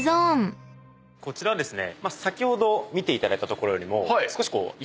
こちらはですね。